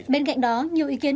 bên cạnh đó nhiều ý kiến